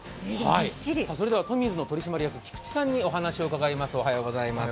トミーズの取締役菊池さんにお話を伺います。